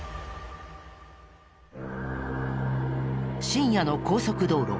深夜の高速道路。